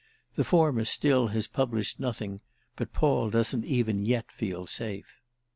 The former still has published nothing but Paul doesn't even yet feel safe.